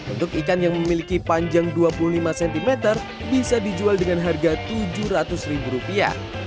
untuk ikan yang memiliki panjang dua puluh lima cm bisa dijual dengan harga tujuh ratus ribu rupiah